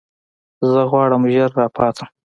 زه غواړم ژر راپاڅم.